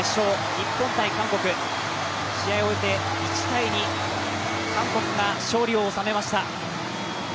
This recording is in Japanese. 日本×韓国試合を終えて１−２、韓国が勝利を収めました。